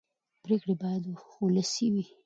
پرېکړې باید ولسي وي